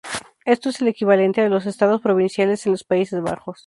Esto es el equivalente de los Estados-Provinciales en los Países Bajos.